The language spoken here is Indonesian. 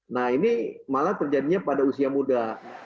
nah ini malah terjadinya pada usia muda